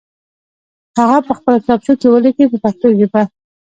هغه په خپلو کتابچو کې ولیکئ په پښتو ژبه.